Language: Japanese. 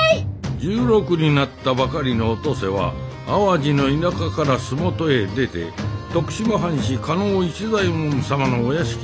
１６になったばかりのお登勢は淡路の田舎から洲本へ出て徳島藩士加納市左衛門様のお屋敷に奉公した。